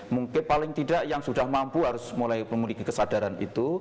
mungkin paling tidak yang sudah mampu harus mulai memiliki kesadaran itu